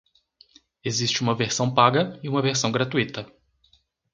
Existe uma versão paga e uma versão gratuita.